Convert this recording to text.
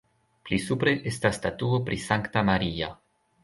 Pli supre estas statuo pri Sankta Maria.